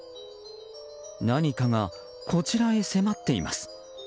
何かが、こちらへ迫っています。